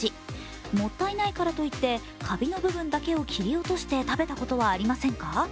もったいないからといってカビの部分だけを切り落として食べたことはありませんか？